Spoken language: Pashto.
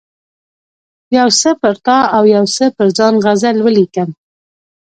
یو څه پر تا او یو څه پر ځان غزل ولیکم.